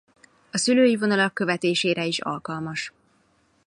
A szülői vonalak követésére is alkalmas.